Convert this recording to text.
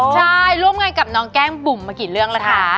ใช่ร่วมงานกับน้องแก้มบุ๋มมากี่เรื่องแล้วคะ